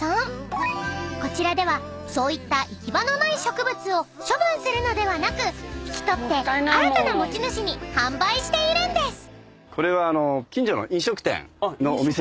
［こちらではそういった行き場のない植物を処分するのではなく引き取って新たな持ち主に販売しているんです］